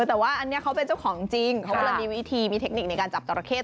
แต่ว่าอะไรนี้เขาเป็นเจ้าของจริงเขาบอกว่ามีวิธีมิวิธิการจับตลเขศ